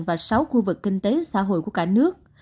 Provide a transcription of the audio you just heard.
và sáu khu vực kinh tế xã hội của cả nước